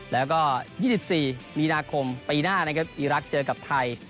แล้วก็๒๔มีนาคมปีหน้านะครับอีรักษ์เจอกับไทย